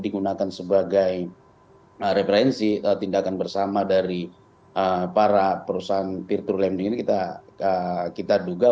menggunakan sebagai referensi tindakan bersama dari para perusahaan virtual ini kita kita duga